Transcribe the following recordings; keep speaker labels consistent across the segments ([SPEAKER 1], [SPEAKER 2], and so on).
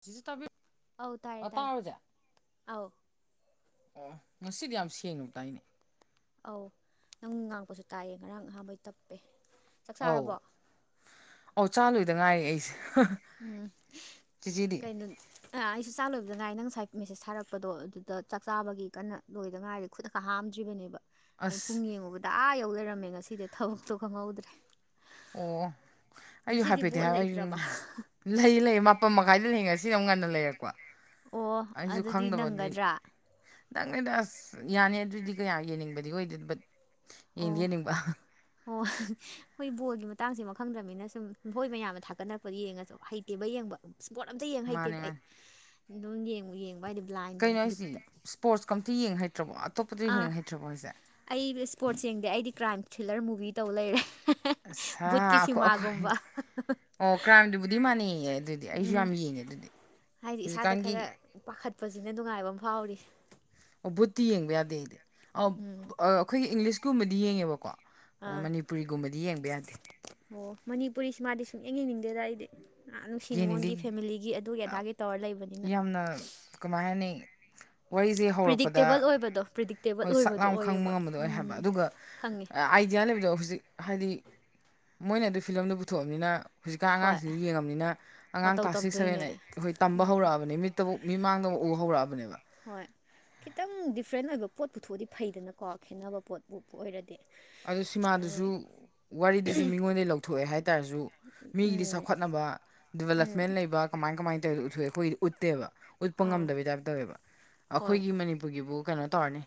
[SPEAKER 1] ꯁꯤꯁ ꯇꯥꯕꯤꯌ
[SPEAKER 2] ꯑꯧ ꯇꯥꯔꯦ
[SPEAKER 1] ꯑ
[SPEAKER 2] ꯇꯥꯔꯦ
[SPEAKER 1] ꯇꯥꯔꯨꯁꯦ
[SPEAKER 2] ꯑꯧ
[SPEAKER 1] ꯑꯣ ꯉꯁꯤꯗꯤ ꯌꯥꯝ ꯁꯦꯡꯅꯕꯨꯇꯥꯏꯅꯦ
[SPEAKER 2] ꯑꯧ ꯅꯪ ꯉꯥꯡꯕꯁꯨ ꯇꯥꯏꯌꯦ ꯉꯔꯥꯡ ꯑꯍꯥꯥꯟꯕꯩ ꯇꯞꯄꯦ ꯆꯥꯛ
[SPEAKER 1] ꯑꯧ
[SPEAKER 2] ꯆꯥꯔꯕꯣ
[SPEAKER 1] ꯑꯧ ꯆꯥꯂꯣꯏꯗ ꯉꯥꯏꯔꯦ ꯑꯩꯁꯦ
[SPEAKER 2] ꯎꯝ
[SPEAKER 1] ꯆꯤꯆꯦꯗꯤ
[SPEAKER 2] ꯀꯩꯅꯣ ꯑꯩꯁꯨ ꯆꯥꯛ ꯂꯣꯏꯕꯗꯅꯥꯏꯩꯅ ꯉꯁꯥꯏ ꯃꯦꯁꯦꯁ ꯊꯔꯛꯄꯗꯣ ꯑꯗꯨꯗ ꯆꯥꯛ ꯆꯥꯕꯒꯤ ꯀꯟꯅ ꯂꯣꯏꯗ ꯉꯥꯏꯔꯦ ꯈꯨꯠ ꯈꯛ ꯈꯔ ꯍꯥꯝꯗ꯭ꯔꯤꯕꯅꯦꯕ ꯑꯩ ꯄꯨꯡ
[SPEAKER 1] ꯑꯁ
[SPEAKER 2] ꯌꯦꯡꯉꯨꯕꯗ ꯑꯥ ꯌꯧꯖꯔꯝꯃꯦ ꯉꯁꯤꯗꯤ ꯊꯕꯛꯇꯣ ꯈꯪꯍꯧꯗ꯭ꯔꯦ
[SPEAKER 1] ꯑꯣ ꯑꯩꯁꯨ
[SPEAKER 2] ꯉꯁꯤꯗꯤ
[SPEAKER 1] ꯍꯥꯏꯐꯦꯠꯠꯇꯗꯤ
[SPEAKER 2] ꯕꯣꯜ
[SPEAKER 1] ꯍꯥꯏ ꯑꯩ
[SPEAKER 2] ꯂꯩꯇ꯭ꯔꯕ
[SPEAKER 1] ꯂꯩꯌꯦ ꯂꯩꯌꯦ ꯃꯥꯄ ꯃꯈꯥꯏꯗ ꯍꯦꯡꯉꯁꯤ ꯌꯥꯝ ꯉꯟꯅ ꯂꯩꯔꯛꯄ
[SPEAKER 2] ꯑꯣ
[SPEAKER 1] ꯑꯩꯁꯨ
[SPEAKER 2] ꯑꯗꯨꯗꯤ
[SPEAKER 1] ꯈꯪꯗꯕꯗꯤ
[SPEAKER 2] ꯅꯪꯒꯗ꯭ꯔꯥ
[SPEAKER 1] ꯅꯪꯅꯦꯗ ꯑꯁ ꯌꯥꯅꯤ ꯑꯗꯨꯏꯗꯤ ꯀꯌꯥ ꯌꯦꯡꯅꯤꯡꯕꯗꯤ ꯑꯣꯏꯗꯦ ꯕꯠ ꯌꯦꯡꯗꯤ
[SPEAKER 2] ꯑꯣ
[SPEAKER 1] ꯌꯦꯡꯅꯤꯡꯕ
[SPEAKER 2] ꯑꯣ ꯍꯣꯏ ꯕꯣꯜꯒꯤ ꯃꯇꯥꯡꯖꯤꯃ ꯈꯪꯗ꯭ꯔꯝꯅꯤꯅ ꯁꯨꯝ ꯃꯈꯣꯏ ꯃꯌꯥꯝꯅ ꯊꯥꯒꯠꯅꯔꯛꯄꯗ ꯌꯦꯡꯉꯁꯨ ꯍꯩꯇꯦꯕ ꯌꯦꯡꯕ ꯏꯁꯄꯣꯔꯠ ꯑꯝꯇ ꯌꯦꯡꯉ
[SPEAKER 1] ꯃꯥꯅꯦ
[SPEAKER 2] ꯍꯩꯇꯦꯕ ꯑꯩ
[SPEAKER 1] ꯃꯥꯅꯦ
[SPEAKER 2] ꯑꯗꯨꯝ ꯌꯦꯡꯉ ꯌꯦꯡꯕ ꯍꯥꯏꯗꯤ ꯕ꯭ꯂꯥꯏꯟ
[SPEAKER 1] ꯀꯩꯅꯣ ꯍꯥꯏꯁꯤꯗꯤ ꯁ꯭ꯄꯣꯔꯠꯁ ꯀꯝꯇ ꯌꯦꯡ ꯍꯩꯇ꯭ꯔꯕꯣ ꯑꯇꯣꯞꯄꯗ
[SPEAKER 2] ꯑꯥ
[SPEAKER 1] ꯌꯦꯡ ꯍꯩꯇ꯭ꯔꯕꯣ ꯍꯥꯏꯁꯦ
[SPEAKER 2] ꯑꯩ ꯏꯁꯄꯣꯔꯠ ꯌꯦꯡꯗꯦ ꯑꯩꯗꯤ ꯀ꯭ꯔꯥꯏꯝ ꯊ꯭ꯔꯤꯜꯂꯔ ꯃꯨꯚꯤ ꯇꯧ ꯂꯩꯔꯦ
[SPEAKER 1] ꯑꯁꯥ
[SPEAKER 2] ꯕꯨꯠꯀꯤ
[SPEAKER 1] ꯑꯩꯈꯣꯏ ꯑꯩꯈꯣꯏ
[SPEAKER 2] ꯁꯤꯃꯥꯒꯨꯝꯕ
[SPEAKER 1] ꯑꯣ ꯀ꯭ꯔꯥꯏꯝꯗꯨꯕꯨꯗꯤ ꯃꯥꯟꯅꯩꯌꯦꯦ ꯑꯗꯨꯗꯤ ꯑꯩꯁꯨ
[SPEAKER 2] ꯎꯝ
[SPEAKER 1] ꯌꯥꯝ ꯌꯦꯡꯉꯦ ꯑꯗꯨꯗꯤ
[SPEAKER 2] ꯍꯥꯏꯗꯤ ꯏꯁꯥꯗ ꯈꯔ
[SPEAKER 1] ꯍꯧꯖꯤꯛꯀꯥꯟꯒꯤ
[SPEAKER 2] ꯄꯥꯈꯠꯄꯁꯤꯅ ꯅꯨꯡꯉꯥꯏꯕ ꯑꯃ ꯐꯥꯎꯔꯤ
[SPEAKER 1] ꯑꯣ ꯕꯨꯠꯇꯤ ꯌꯦꯡꯕ ꯌꯥꯗꯦ ꯑꯩꯗꯤ ꯑ
[SPEAKER 2] ꯎꯝ
[SPEAKER 1] ꯑꯩꯈꯣꯏꯒꯤ ꯏꯪꯂꯤꯁꯀꯨꯝꯕꯗꯤ ꯌꯦꯡꯉꯦꯕꯀꯣ ꯑꯗꯣ
[SPEAKER 2] ꯑꯥ
[SPEAKER 1] ꯃꯅꯤꯄꯨꯔꯤꯒꯨꯝꯕꯗꯤ ꯌꯦꯡꯕ ꯌꯥꯗꯦ
[SPEAKER 2] ꯑꯣ ꯃꯅꯤꯄꯨꯔꯤꯁꯤ ꯃꯥꯗꯤ ꯁꯨꯡ ꯌꯦꯡ ꯌꯦꯡꯅꯤꯡꯗꯦꯗ ꯑꯩꯗꯤ ꯑ ꯅꯨꯡꯁꯤ
[SPEAKER 1] ꯌꯦꯡꯅꯤꯡꯗꯤ
[SPEAKER 2] ꯅꯨꯡꯉꯣꯟꯒꯤ ꯐꯦꯃꯤꯂꯤꯒꯤ ꯑꯗꯨꯒꯤ ꯑꯗꯥꯒꯤ ꯇꯧꯔ ꯂꯩꯕꯅꯤꯅ
[SPEAKER 1] ꯌꯥꯝꯅ ꯀꯃꯥꯏ ꯍꯥꯏꯅꯤ ꯋꯥꯔꯤꯁꯦ ꯍꯧꯔꯛꯄꯗ
[SPEAKER 2] ꯕꯣ ꯄꯤꯗꯤꯛꯇꯦꯕ
[SPEAKER 1] ꯍꯣꯏ ꯁꯥꯛ ꯂꯥꯎꯅ ꯈꯪꯕ ꯉꯝꯕꯗꯣ ꯑꯣꯏ ꯍꯥꯏꯕ ꯑꯗꯨꯒ
[SPEAKER 2] ꯈꯪꯉꯦ
[SPEAKER 1] ꯑꯥꯏꯗꯤꯌꯥ ꯂꯩꯕꯗꯣ ꯍꯧꯖꯤꯛ ꯍꯥꯏꯗꯤ ꯃꯣꯏꯅ ꯑꯗꯨ ꯐꯤꯂꯝꯗꯨ ꯄꯨꯊꯣꯛꯑꯕꯅꯤꯅ ꯍꯧꯖꯤꯛꯀꯥꯟ
[SPEAKER 2] ꯍꯣꯏ
[SPEAKER 1] ꯑꯉꯥꯡꯁꯤ ꯌꯦꯡꯉꯕꯅꯤꯅ ꯑꯉꯥꯡ
[SPEAKER 2] ꯃꯇꯧ
[SPEAKER 1] ꯀ꯭ꯂꯥꯁ ꯁꯤꯛꯁ ꯁꯕꯦꯟ
[SPEAKER 2] ꯇꯝꯗꯣꯏꯅꯦ
[SPEAKER 1] ꯑꯩꯠ ꯑꯩꯈꯣꯏ ꯇꯝꯕ
[SPEAKER 2] ꯎꯝ
[SPEAKER 1] ꯍꯧꯔꯛꯑꯕꯅꯤ ꯃꯤꯠ ꯇꯕꯨꯛ ꯃꯤ ꯃꯥꯡꯗꯕ ꯎ ꯍꯧꯔꯛꯑꯕꯅꯦꯕ
[SPEAKER 2] ꯍꯣꯏ ꯈꯤꯇꯪ ꯗꯤꯐ꯭ꯔꯦꯟ ꯑꯣꯏꯕ ꯄꯣꯠ ꯄꯨꯊꯣꯛꯑꯗꯤ ꯐꯩꯗꯅꯀꯣ ꯈꯦꯠꯅꯕ ꯄꯣꯠꯄꯨ ꯑꯣꯏꯔꯗꯤ
[SPEAKER 1] ꯑꯗꯨꯣ
[SPEAKER 2] ꯑꯗꯩ
[SPEAKER 1] ꯁꯤꯃꯥꯗꯨꯁꯨ ꯋꯥꯔꯤꯗꯨꯁꯨ ꯃꯤꯉꯣꯟꯗꯒꯤꯩ ꯂꯧꯊꯣꯛꯑꯦ ꯍꯥꯏꯇꯥꯔꯁꯨ ꯃꯤꯒꯤꯗꯤ
[SPEAKER 2] ꯎꯝ
[SPEAKER 1] ꯆꯥꯎꯈꯠꯅꯕ
[SPEAKER 2] ꯎꯝ
[SPEAKER 1] ꯗꯤꯕꯂꯞꯃꯦꯟ ꯂꯩꯕ ꯀꯃꯥꯏ ꯀꯃꯥꯏ ꯇꯧꯔꯤ ꯎꯠꯊꯣꯛꯑꯦ ꯑꯩꯈꯣꯏꯒꯤꯗꯤ ꯎꯠꯇꯦꯕ ꯎꯠꯄ
[SPEAKER 2] ꯑꯥ
[SPEAKER 1] ꯉꯝꯗꯕꯩ ꯇꯥꯏꯞ ꯇꯧꯋꯦꯕ
[SPEAKER 2] ꯍꯣꯏ
[SPEAKER 1] ꯑꯩꯈꯣꯏꯒꯤ ꯃꯅꯤꯄꯨꯔꯒꯤꯕꯨ ꯀꯩꯅꯣ ꯇꯧꯔꯅꯤ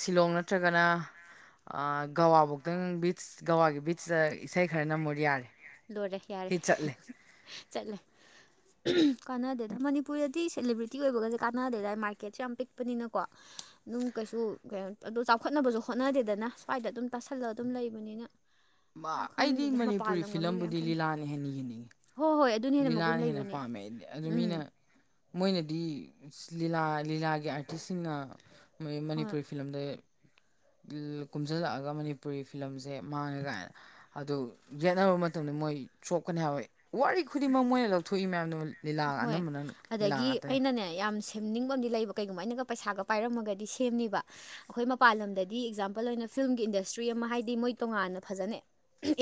[SPEAKER 1] ꯁꯤꯂꯣꯡ ꯅꯠꯇ꯭ꯔꯒꯅ ꯒꯋꯥꯐꯧꯗꯪ ꯕꯤꯆ ꯒꯋꯥꯒꯤ ꯕꯤꯠꯆꯇ ꯏꯁꯩ ꯈꯔ ꯅꯃꯣꯔ ꯌꯥꯔꯦ
[SPEAKER 2] ꯂꯣꯏꯔꯦ ꯌꯥꯔꯦ
[SPEAKER 1] ꯍꯤꯠ ꯆꯠꯂꯦ
[SPEAKER 2] ꯆꯠꯂꯦ ꯀꯥꯟꯅꯗꯦꯗ ꯃꯅꯤꯄꯨꯔꯗꯗꯤ ꯁꯦꯂꯦꯕ꯭ꯔꯤꯇꯤ ꯑꯣꯏꯕꯒꯁꯦ ꯀꯥꯟꯅꯗꯦꯗ ꯃꯥꯔꯀꯦꯠꯁꯦ ꯌꯥꯝ ꯄꯤꯛꯄꯅꯤꯅꯀꯣ ꯑꯗꯨꯝ ꯀꯩꯁꯨ ꯀꯩꯝ ꯑꯗꯨ ꯆꯥꯎꯈꯠꯅꯕꯖꯨ ꯍꯣꯠꯅꯗꯦꯗꯅ ꯁ꯭ꯋꯥꯏꯗ ꯑꯗꯨꯝ ꯇꯥꯁꯜꯂꯒ ꯑꯗꯨꯝ ꯂꯩꯕꯅꯤꯅ
[SPEAKER 1] ꯑꯩꯗꯤ
[SPEAKER 2] ꯈꯪꯗꯦꯗ
[SPEAKER 1] ꯃꯅꯤꯄꯨꯔꯤ ꯐꯤꯂꯝꯕꯨꯗꯤ ꯂꯤꯂꯥꯅ ꯍꯦꯟꯅ ꯌꯦꯡꯅꯤꯡꯏꯤ
[SPEAKER 2] ꯍꯣ ꯍꯣꯏ ꯑꯗꯨꯅ ꯍꯦꯟꯅ ꯃꯒꯨꯟ
[SPEAKER 1] ꯂꯤꯂꯥꯅ ꯍꯦꯟꯅ
[SPEAKER 2] ꯂꯩꯕꯅꯦ
[SPEAKER 1] ꯄꯥꯝꯃꯦ ꯑꯗꯨ
[SPEAKER 2] ꯎꯝ
[SPEAKER 1] ꯃꯤꯅ ꯃꯣꯏꯅꯗꯤ ꯂꯤꯂꯥ ꯂꯤꯂꯥꯒꯤ ꯑꯥꯔꯇꯤꯁꯁꯤꯡꯅ ꯃꯣꯏ
[SPEAKER 2] ꯍꯣꯏ
[SPEAKER 1] ꯃꯅꯤꯄꯨꯔꯤ ꯐꯤꯂꯝꯗ ꯀꯨꯝꯁꯤꯜꯂꯛꯑꯒ ꯃꯅꯤꯄꯨꯔꯤ ꯐꯤꯂꯝꯁꯦ ꯃꯥꯡꯉꯦ ꯀꯥꯏꯅ ꯑꯗꯨ ꯌꯦꯠꯅꯕ ꯃꯇꯝꯗ ꯃꯣꯏ ꯁꯣꯛꯀꯅꯤ ꯍꯥꯏꯕ ꯋꯥꯔꯤ ꯈꯨꯗꯤꯡꯃꯛ ꯃꯣꯏꯅ ꯂꯧꯊꯣꯛꯏ ꯃꯌꯥꯝꯗꯨ ꯂꯤꯂꯥ ꯑꯅꯝꯕꯅꯪ ꯂꯤꯂꯥ ꯉꯥꯛꯇꯅꯦ
[SPEAKER 2] ꯅꯦ ꯌꯥꯝ ꯁꯦꯝꯅꯤꯡꯕ ꯑꯃꯗꯤ ꯂꯩꯕ ꯀꯩꯒꯨꯝꯕ ꯑꯩꯅꯒ ꯄꯩꯁꯥꯒ ꯄꯥꯏꯔꯝꯃꯒꯗꯤ ꯁꯦꯝꯃꯦꯕ ꯑꯩꯈꯣꯏ ꯃꯄꯥꯟ ꯂꯝꯗꯗꯤ ꯑꯦꯛꯖꯥꯝꯄꯜ ꯑꯣꯏꯅ ꯐꯤꯂꯝꯒꯤ ꯏꯟꯗꯁꯇ꯭ꯔꯤ ꯑꯃ ꯍꯥꯏꯗꯤ ꯃꯣꯏ ꯇꯣꯉꯥꯟꯅ ꯐꯖꯅꯩ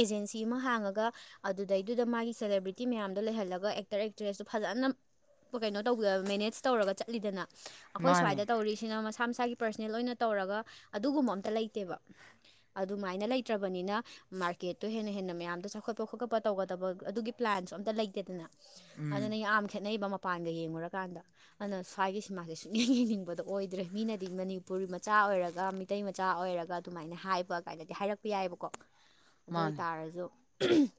[SPEAKER 2] ꯑꯦꯖꯦꯟꯁꯤ ꯑꯃ ꯍꯥꯡꯉꯒ ꯑꯗꯨꯗꯩꯗꯨꯗ ꯃꯥꯒꯤ ꯁꯦꯂꯦꯕ꯭ꯔꯤꯇꯤ ꯇꯤ ꯃꯌꯥꯝꯗꯣ ꯂꯩꯍꯜꯂꯒ ꯑꯦꯛꯇꯔ ꯑꯦꯛꯇ꯭ꯔꯦꯁꯇꯨ ꯐꯖꯅ ꯀꯩꯅꯣ ꯇꯧꯕ ꯃꯦꯅꯦꯖ ꯇꯧꯔꯒ ꯆꯠꯂꯤꯗꯅ ꯑꯈꯣꯏ ꯁ꯭ꯋꯥꯏꯗ
[SPEAKER 1] ꯃꯥꯅꯦ
[SPEAKER 2] ꯇꯧꯔꯤꯁꯤꯅ ꯃꯁꯥ ꯃꯁꯥꯒꯤ ꯄꯔꯁꯅꯦꯜ ꯂꯣꯏꯅ ꯇꯧꯔꯒ ꯑꯗꯨꯒꯨꯝꯕ ꯑꯝꯇ ꯂꯩꯇꯦꯕ ꯑꯗꯨꯃꯥꯏꯅ ꯂꯩꯇ꯭ꯔꯕꯅꯤꯅ ꯃꯥꯔꯀꯦꯠꯇꯣ ꯍꯦꯟꯅ ꯍꯦꯟꯅ ꯃꯌꯥꯝꯗꯣ ꯆꯥꯎꯈꯠꯄ ꯈꯣꯠꯀꯠꯄ ꯇꯧꯒꯗꯕ ꯑꯗꯨꯒꯤ ꯄ꯭ꯂꯥꯟꯁꯨ ꯑꯝꯇ ꯂꯩꯇꯦꯗꯅ
[SPEAKER 1] ꯎꯝ
[SPEAKER 2] ꯑꯗꯨꯅ ꯌꯥꯝ ꯈꯦꯠꯅꯩꯕ ꯃꯄꯥꯟꯒ ꯌꯦꯡꯉꯨꯔꯀꯥꯟꯗ ꯑꯗꯨꯅ ꯁ꯭ꯋꯥꯏꯒꯤ ꯁꯤꯃꯥꯁꯦ ꯁꯨꯡꯛꯌꯦꯡ ꯌꯦꯡꯅꯤꯡꯕꯗ ꯑꯣꯏꯗ꯭ꯔꯦ ꯃꯤꯅꯗꯤ ꯃꯅꯤꯄꯨꯔꯤ ꯃꯆꯥ ꯑꯣꯏꯔꯒ ꯏꯇꯩ ꯃꯆꯥ ꯑꯣꯏꯔꯒ ꯑꯗꯨꯃꯥꯏꯅ ꯍꯥꯏꯕ ꯀꯥꯏꯗꯗꯤ ꯍꯥꯏꯔꯛꯄ ꯌꯥꯏꯑꯕꯀꯣ
[SPEAKER 1] [unintelligible]
[SPEAKER 2] ꯑꯗꯨ ꯑꯣꯏꯇꯥꯔꯁꯨ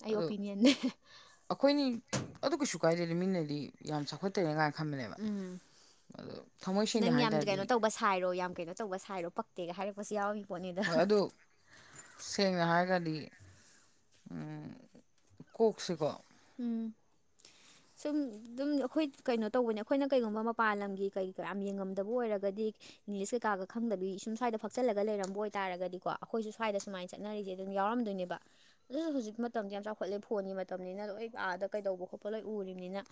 [SPEAKER 2] ꯑꯩ
[SPEAKER 1] ꯑꯗꯣ
[SPEAKER 2] ꯑꯣꯄꯤꯅꯤꯌꯟꯅꯦ
[SPEAKER 1] ꯑꯩꯈꯣꯏꯅꯤ ꯑꯗꯨ ꯀꯩꯁꯨ ꯀꯥꯏꯗꯦ ꯂꯩꯃꯤꯡꯅꯗꯤ ꯌꯥꯝ ꯆꯥꯎꯈꯠꯇꯔꯤꯦ ꯀꯥꯏꯅ ꯈꯟꯕꯅꯦꯕ
[SPEAKER 2] ꯎꯝ
[SPEAKER 1] ꯑꯗꯣ ꯊꯃꯣꯏ
[SPEAKER 2] ꯁꯤ ꯅꯪ
[SPEAKER 1] ꯁꯦꯡꯅ ꯍꯥꯏ
[SPEAKER 2] ꯌꯥꯝ
[SPEAKER 1] ꯇꯥꯔꯗꯤ
[SPEAKER 2] ꯀꯩꯅꯣ ꯇꯧꯕ ꯁꯥꯏꯔꯣ ꯌꯥꯝ ꯀꯩꯅꯣ ꯇꯧꯕ ꯁꯥꯏꯔꯣ ꯄꯛꯇꯦꯒ ꯍꯥꯏꯔꯛꯄꯁꯨ ꯌꯥꯎꯏ
[SPEAKER 1] ꯍꯣꯏ ꯑꯗꯨ ꯁꯦꯡꯅ ꯍꯥꯏꯔꯒꯗꯤ ꯀꯣꯛꯁꯤꯀꯣ
[SPEAKER 2] ꯎꯝ
[SPEAKER 1] [unintelligible]
[SPEAKER 2] ꯁꯨꯝ ꯑꯗꯨꯝ ꯑꯩꯈꯣꯏ ꯀꯩꯅꯣ ꯇꯧꯕꯅꯦ ꯑꯩꯈꯣꯏꯅ ꯀꯩꯒꯨꯝꯕ ꯃꯄꯥꯟ ꯂꯝꯒꯤ ꯀꯩ ꯀ ꯌꯥꯝ ꯌꯦꯡꯉꯝꯗꯕ ꯑꯣꯏꯔꯒꯗꯤ ꯏꯪꯂꯤꯁ ꯀꯩꯀꯥꯒ ꯈꯪꯗꯕꯤ ꯁꯨꯝ꯭ꯏꯗ ꯐꯆꯜꯂꯒ ꯂꯩꯔꯝꯕ ꯑꯣꯏꯇꯥꯔꯒꯗꯤꯣꯈꯣꯏꯁꯨ꯭ꯏꯗ ꯁꯨꯃꯥꯏꯅ ꯆꯠꯅꯔꯤꯁꯦ ꯑꯗꯨꯝ ꯌꯥꯎꯔꯝꯗꯣꯏꯅꯦꯕ ꯑꯗꯨꯁꯨ ꯍꯧꯖꯤꯛ ꯃꯇꯝꯁ ꯌꯥꯝ ꯆꯥꯎꯈꯠꯂꯦ ꯐꯣꯟꯒꯤ ꯃꯇꯝꯅꯤꯅ ꯍꯣꯏ ꯑꯥꯗ ꯀꯩꯗꯧꯕ ꯈꯣꯠꯄ ꯂꯣꯏ ꯎꯔꯤꯕꯅꯤꯅ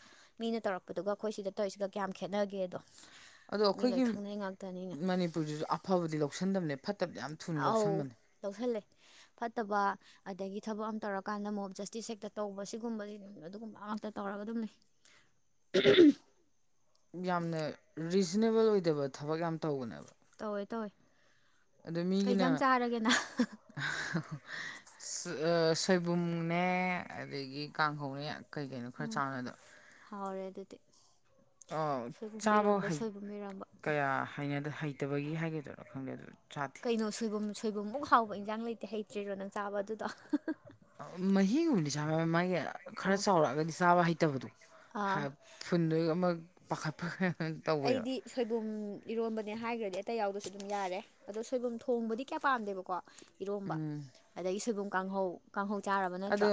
[SPEAKER 2] ꯃꯤꯅ ꯇꯧꯔꯛꯄꯗꯨꯒ ꯑꯩꯈꯣꯏ ꯁꯤꯗ ꯇꯧꯔꯤꯁꯤꯒ ꯀꯌꯥꯝ ꯈꯦꯠꯅꯒꯦꯗꯣ
[SPEAKER 1] ꯑꯗꯣ
[SPEAKER 2] ꯃꯤ ꯂꯣꯏ
[SPEAKER 1] ꯑꯩꯈꯣꯏꯒꯤ
[SPEAKER 2] ꯈꯪꯅꯩ ꯉꯥꯛꯇꯅꯤꯅ
[SPEAKER 1] ꯃꯅꯤꯄꯨꯔꯗꯨꯁꯨ ꯑꯐꯕꯗꯤ ꯂꯧꯁꯟꯗꯕꯅꯦ ꯐꯠꯇꯕꯗꯤ ꯌꯥꯝ ꯊꯨꯅ ꯂꯧꯁꯟꯕꯅꯦ
[SPEAKER 2] ꯂꯧꯧꯁꯤꯜꯂꯦ ꯐꯠꯇꯕ ꯑꯗꯒꯤ ꯊꯕꯛ ꯑꯃ ꯇꯧꯔꯀꯥꯟꯗ ꯃꯣꯞ ꯖꯁꯇꯤꯁ ꯍꯦꯛꯇ ꯇꯧꯕ ꯁꯤꯒꯨꯝ ꯑꯗꯨꯒꯨꯝꯕꯗꯤ ꯑꯗꯨꯒꯨꯝꯕ ꯉꯇ ꯇꯧꯔꯒ ꯑꯗꯨꯝ ꯂꯩ
[SPEAKER 1] ꯌꯥꯝꯅ ꯔꯤꯖꯅꯦꯕꯜ ꯑꯣꯏꯗꯕ ꯊꯕꯛ ꯌꯥꯝ ꯇꯧꯕꯅꯦꯕ
[SPEAKER 2] ꯇꯧꯋꯦ ꯇꯧꯋꯦ
[SPEAKER 1] ꯑꯗ
[SPEAKER 2] ꯀꯩ
[SPEAKER 1] ꯃꯤꯒꯤꯅ
[SPEAKER 2] ꯏꯟꯖꯥꯡ ꯆꯥꯔꯒꯦ ꯅꯪ
[SPEAKER 1] ꯁꯣꯏꯕꯨꯝꯅꯦ ꯑꯗꯒꯤ ꯀꯥꯡꯈꯧꯅꯦ ꯀꯩ ꯀꯩꯅꯣ ꯈꯔ ꯆꯥꯡꯅꯗ
[SPEAKER 2] ꯍꯔꯦ ꯑꯗꯨꯗꯤ ꯁꯣꯏꯕꯨꯝ
[SPEAKER 1] ꯆꯥꯕ
[SPEAKER 2] ꯏꯔꯣꯝꯕ
[SPEAKER 1] ꯍꯩ
[SPEAKER 2] ꯁꯣꯏꯕꯨꯝ ꯏꯔꯣꯝꯕ
[SPEAKER 1] ꯀꯌꯥ ꯍꯩꯅ ꯍꯩ ꯍꯠꯇꯕꯒꯤ ꯍꯥꯏꯒꯦꯗꯣꯏꯔꯥ ꯈꯪꯗꯦ ꯑꯗꯣ ꯆꯥ
[SPEAKER 2] ꯀꯩꯅꯣ ꯁꯣꯏꯕꯨꯝ ꯁꯣꯏꯕꯨꯝꯃꯨꯛ ꯍꯥꯎꯕ ꯏꯟꯖꯥꯡ ꯂꯩꯇꯦ ꯍꯩꯇ꯭ꯔꯤꯔꯣ ꯅꯪ ꯆꯥꯕ ꯑꯗꯨꯗꯣ
[SPEAKER 1] ꯃꯍꯤꯒꯨꯝꯕꯗꯤ ꯆꯥꯕ ꯃꯥꯒꯤ ꯈꯔ
[SPEAKER 2] ꯑꯣ
[SPEAKER 1] ꯆꯥꯎꯔꯛꯑꯒꯗꯤ ꯆꯥꯕ ꯍꯩꯇꯕꯗꯣ
[SPEAKER 2] ꯑꯥ
[SPEAKER 1] ꯐꯨꯟꯗꯨ ꯑꯃ ꯄꯥꯈꯠꯄ ꯇꯧꯋꯦꯕ
[SPEAKER 2] ꯑꯩꯗꯤ ꯁꯣꯏꯕꯨꯝ ꯏꯔꯣꯟꯕꯅꯦ ꯍꯥꯏꯈ꯭ꯔꯗꯤ ꯑꯇꯩ ꯌꯥꯎꯗꯁꯨ ꯑꯗꯨꯝ ꯌꯥꯔꯦ ꯑꯗꯣ ꯁꯣꯏꯕꯨꯝ ꯊꯣꯡꯕꯗꯤ ꯀꯌꯥ ꯄꯥꯝꯗꯦꯕꯀꯣ ꯏꯔꯣꯝꯕ
[SPEAKER 1] ꯎꯝ
[SPEAKER 2] ꯑꯗꯒꯤ ꯁꯣꯏꯕꯨꯝ ꯀꯥꯡꯍꯧ ꯀꯥꯡꯍꯧ ꯆꯥꯔꯕ
[SPEAKER 1] ꯑꯗꯣ
[SPEAKER 2] ꯅꯠꯇ꯭ꯔꯣ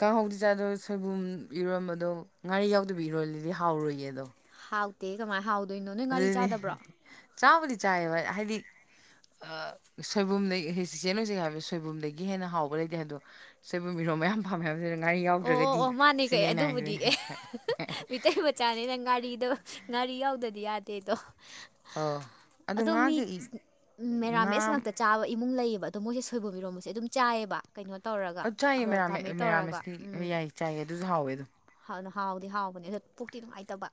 [SPEAKER 1] ꯀꯥꯡꯍꯧꯗꯤ ꯆꯥꯗꯣ ꯁꯣꯏꯕꯨꯝ ꯏꯔꯣꯝꯕ ꯑꯗꯣ ꯉꯥꯔꯤ ꯌꯥꯎꯗꯕꯤ ꯏꯔꯣꯜꯂꯗꯤ ꯍꯥꯎꯔꯨꯏꯌꯦ ꯑꯗꯣ
[SPEAKER 2] ꯍꯥꯎꯇꯦ ꯀꯃꯥꯏꯅ ꯍꯥꯎꯗꯣꯏꯅꯣ ꯅꯣꯏ ꯉꯥꯔꯤ
[SPEAKER 1] ꯑꯗꯨꯗꯤ
[SPEAKER 2] ꯆꯥꯗꯕ꯭ꯔꯣ
[SPEAKER 1] ꯆꯥꯕꯨꯗꯤ ꯆꯥꯌꯦꯕ ꯍꯥꯏꯗꯤ ꯑ ꯁꯣꯏꯕꯨꯝꯗꯒꯤ ꯆꯦꯆꯦ ꯍꯧꯖꯤꯛ ꯍꯥꯏꯕ ꯁꯣꯏꯕꯨꯝꯗꯒꯤ ꯍꯦꯟꯅ ꯍꯥꯎꯕ ꯂꯩꯇꯦ ꯍꯥꯏꯗꯣ ꯁꯤꯕꯨ ꯃꯤꯔꯣ ꯃꯌꯥꯝ ꯊꯝꯃꯦ ꯍꯥꯏꯕꯁꯤꯗ ꯉꯥꯔꯤ
[SPEAKER 2] ꯑꯣ ꯑꯣ
[SPEAKER 1] ꯌꯥꯎꯗ꯭ꯔꯒꯗꯤ
[SPEAKER 2] ꯑꯣ ꯃꯥꯅꯦ
[SPEAKER 1] ꯁꯤꯅꯦ
[SPEAKER 2] ꯀꯩ
[SPEAKER 1] ꯑꯩꯅ ꯍꯥꯏꯅꯤꯡꯢꯁꯦ
[SPEAKER 2] ꯆꯥꯅꯤꯅ ꯉꯥꯔꯤꯗꯣ ꯉꯥꯔꯤ ꯌꯥꯎꯗꯔꯗꯤ ꯌꯥꯗꯦꯗꯣ
[SPEAKER 1] ꯑꯣ
[SPEAKER 2] ꯑꯗꯣ ꯃꯤ
[SPEAKER 1] ꯉꯥꯒ ꯏ
[SPEAKER 2] ꯃꯦꯔꯥ
[SPEAKER 1] ꯉꯥ
[SPEAKER 2] ꯃꯦꯁ ꯉꯥꯛꯇ ꯆꯥꯕ ꯏꯃꯨꯡ ꯂꯩꯌꯦꯕ ꯑꯗꯣ ꯃꯣꯏꯁꯦ ꯁꯣꯏꯕꯝ ꯃꯤꯔꯣꯝꯕꯁꯦ ꯑꯗꯨꯝ ꯆꯥꯏꯑꯦꯌꯦꯕ ꯀꯩꯅꯣ ꯇꯧꯔꯒ ꯀꯥꯡꯃꯦꯠ ꯇꯧꯔꯒ
[SPEAKER 1] ꯑꯣ ꯌꯥꯏꯌꯦ ꯆꯥꯏꯌꯦ ꯑꯗꯨꯁꯨ ꯍꯥꯎꯋꯦ ꯑꯗꯨꯝ
[SPEAKER 2] ꯅ ꯍꯥꯎꯗꯤ ꯍꯥꯎꯕꯅꯦ ꯑꯗ ꯄꯨꯛꯇꯤ ꯅꯨꯡꯉꯥꯏꯇꯕ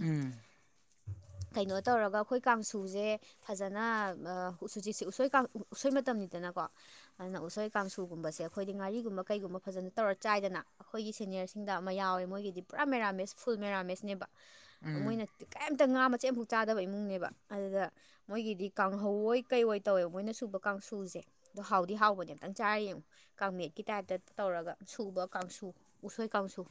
[SPEAKER 1] ꯎꯝ
[SPEAKER 2] ꯀꯩꯅꯣ ꯇꯧꯔꯒ ꯑꯩꯈꯣꯏ ꯀꯥꯡꯁꯨꯁꯦ ꯐꯖꯅ ꯍꯧꯖꯤꯛꯁꯦ ꯎꯁꯣꯏ ꯎꯁꯣꯏ ꯃꯇꯝꯅꯤꯗꯅꯀꯣ ꯑꯗꯨꯅ ꯎꯁꯣꯏ ꯀꯥꯡꯁꯨꯒꯨꯝꯕꯁꯦ ꯑꯩꯈꯣꯏꯗꯤ ꯉꯥꯔꯤꯒꯨꯝꯕ ꯀꯩꯒꯨꯝꯕ ꯐꯖꯅ ꯇꯧꯔ ꯆꯥꯏꯗꯅ ꯑꯩꯈꯣꯏꯒꯤ ꯁꯦꯅꯤꯌꯔꯁꯤꯡꯗ ꯑꯃ ꯌꯥꯎꯋꯦ ꯃꯣꯏꯒꯤꯗꯤ ꯄꯨꯔꯥ ꯃꯦꯔꯥꯃꯦꯁ ꯐꯨꯜ ꯃꯦꯔꯥꯃꯦꯁꯅꯦꯕ
[SPEAKER 1] ꯎꯝ
[SPEAKER 2] ꯃꯣꯏꯅ ꯀꯔꯤꯝꯇ ꯉꯥ ꯃꯆꯦꯠ ꯑꯃꯐꯛ ꯆꯥꯗꯕ ꯏꯃꯨꯡꯅꯦꯕ ꯑꯗꯨꯗ ꯃꯣꯏꯒꯤꯗꯤ ꯀꯥꯡꯍꯧꯋꯣꯏ ꯀꯩꯑꯣꯏ ꯇꯧꯋꯦꯕ ꯃꯣꯏꯅ ꯁꯨꯕ ꯀꯥꯡꯁꯨꯁꯦ ꯑꯗꯣ ꯍꯥꯎꯗꯤ ꯍꯥꯎꯕꯅꯦ ꯑꯝꯇꯪ ꯆꯥꯔꯤꯌꯦ ꯑꯃꯨꯛ ꯀꯥꯡꯃꯦꯠꯀꯤ ꯇꯥꯏꯞꯇ ꯇꯧꯔꯒ ꯁꯨꯕ ꯀꯥꯡꯁꯨ ꯎꯁꯣꯏ ꯀꯥꯡꯁꯨ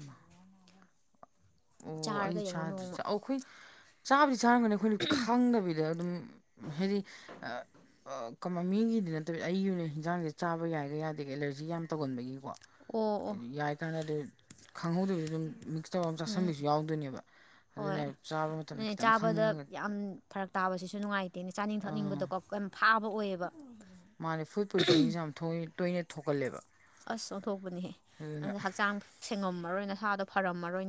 [SPEAKER 1] ꯑꯣ ꯑꯩ
[SPEAKER 2] ꯆꯥꯔꯒ ꯌꯦꯡꯉꯣ
[SPEAKER 1] ꯆꯥꯗ꯭ꯔꯤ
[SPEAKER 2] ꯅꯣꯡꯃ
[SPEAKER 1] ꯑꯣ ꯑꯩꯈꯣꯏ ꯆꯥꯗꯤ ꯆꯥꯔꯝꯒꯅꯤ ꯑꯩꯈꯣꯏꯅ ꯈꯪꯗꯕꯤꯗ ꯑꯗꯨꯝ ꯍꯥꯏꯗꯤ ꯑ ꯀ ꯃꯤꯒꯤꯗꯤ ꯅꯠꯇꯕꯤꯗ ꯑꯩꯒꯤ ꯑꯣꯏꯅ ꯍꯤꯟꯖꯥꯡꯁꯦ ꯆꯥꯕ ꯌꯥꯏꯒ ꯌꯥꯗꯦ ꯑꯦꯂꯔꯖꯤ ꯌꯥꯝ ꯇꯧꯒꯟꯕꯒꯤꯀꯣ
[SPEAKER 2] ꯑꯣ ꯑꯣ
[SPEAKER 1] ꯌꯥꯏ ꯀꯥꯟꯗ ꯑꯗꯨ ꯈꯪꯍꯧꯗꯕꯤꯗ ꯑꯗꯨꯝ ꯃꯤꯛꯁ ꯇꯧ ꯁꯟꯕꯁꯨ ꯌꯥꯎꯗꯣꯏꯅꯦꯕ ꯑꯗꯨꯅ
[SPEAKER 2] ꯍꯣꯏ
[SPEAKER 1] ꯆꯥꯕ ꯃꯇꯝꯗ
[SPEAKER 2] ꯑꯗꯨꯅꯦ
[SPEAKER 1] ꯈꯤꯇꯪ
[SPEAKER 2] ꯆꯥꯕꯗ
[SPEAKER 1] ꯈꯪꯉꯒ
[SPEAKER 2] ꯌꯥꯝ ꯐꯔꯛ ꯇꯥꯕꯁꯤꯁꯨ ꯅꯨꯡꯉꯥꯏꯇꯦꯅꯦ ꯆꯥꯅꯤꯡ
[SPEAKER 1] ꯑꯥ
[SPEAKER 2] ꯊꯛꯅꯤꯡꯕꯗꯀꯣ ꯐꯥꯕ ꯑꯣꯏꯌꯦꯕ
[SPEAKER 1] ꯃꯥꯅꯦ ꯐꯨꯗ ꯄꯣꯏꯖꯅꯤꯡꯁꯦ ꯌꯥꯝ ꯇꯣꯏꯅ ꯊꯣꯛꯀꯜꯂꯦꯕ
[SPEAKER 2] ꯑꯁ ꯑꯣꯟꯊꯣꯛꯄꯅꯦꯍꯦ ꯑꯗꯨꯅ ꯍꯛꯆꯥꯡ ꯁꯦꯡꯉꯝꯃꯔꯣꯏ ꯅꯪ ꯅꯁꯥꯗꯣ ꯐꯔꯝꯃꯔꯣꯏ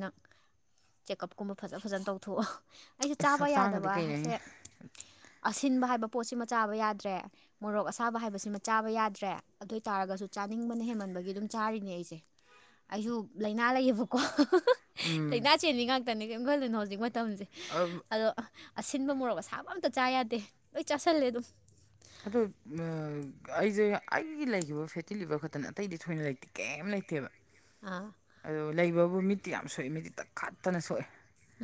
[SPEAKER 2] ꯆꯦꯛꯑꯞꯀꯨꯝꯕ ꯐꯖ ꯐꯖꯅ ꯇꯧꯊꯣꯛꯑꯣ ꯑꯩꯁꯦ
[SPEAKER 1] ꯑꯁ
[SPEAKER 2] ꯆꯥꯕ
[SPEAKER 1] ꯍꯛꯆꯥꯡꯒꯗꯤ ꯀꯩꯅꯣꯅꯦ
[SPEAKER 2] ꯌꯥꯗꯕꯁꯦ ꯑꯁꯤꯟꯕ ꯍꯥꯏꯕ ꯄꯣꯠꯁꯤꯃ ꯆꯥꯕ ꯌꯥꯗ꯭ꯔꯦ ꯃꯣꯔꯣꯛ ꯑꯁꯥꯕ ꯍꯥꯏꯕꯁꯤꯃ ꯆꯥꯕ ꯌꯥꯗ꯭ꯔꯦ ꯑꯗꯨ ꯑꯣꯏ ꯇꯥꯔꯒꯁꯨ ꯆ ꯅꯤꯡꯕꯅ ꯍꯦꯃꯟꯕꯒꯤ ꯑꯗꯨꯝ ꯆꯥꯔꯤꯅꯦ ꯑꯩꯁꯦ ꯑꯩꯁꯨ ꯂꯥꯏꯅꯥ ꯂꯩꯌꯦꯕꯀꯣ
[SPEAKER 1] ꯎꯝ
[SPEAKER 2] ꯂꯥꯏꯅꯥ ꯆꯦꯟꯕꯤ ꯉꯥꯛꯇꯅꯤ ꯀꯔꯤꯝ ꯈꯜꯂꯨꯅꯣ ꯍꯧꯖꯤꯛ ꯃꯇꯝꯁꯦ
[SPEAKER 1] ꯑ [inaudible]
[SPEAKER 2] ꯑꯗꯣ ꯑꯁꯤꯟꯕ ꯃꯣꯔꯣꯛ ꯑꯁꯥꯕ ꯑꯝꯇ ꯆꯥ ꯌꯥꯗꯦ ꯂꯣꯏ ꯆꯥꯥꯁꯜꯂꯦ ꯑꯗꯨꯝ
[SPEAKER 1] ꯑꯗꯣ ꯑꯩꯁꯦ ꯑꯩꯒꯤ ꯂꯩꯈꯤꯕ ꯐꯦꯇꯤ ꯂꯤꯕꯔ ꯈꯛꯇꯅꯤ ꯑꯇꯩꯗꯤ ꯊꯣꯏꯅ ꯂꯩꯇꯦ ꯀꯩꯝ ꯂꯩꯇꯦꯕ
[SPEAKER 2] ꯑꯥ
[SPEAKER 1] ꯑꯣ ꯂꯩꯕꯕꯨ ꯃꯤꯠꯇꯤ ꯌꯥꯝ ꯁꯣꯛꯏ ꯃꯤꯠꯇꯤ ꯇꯥꯛ ꯀꯠꯇꯅ ꯁꯣꯛꯑꯦ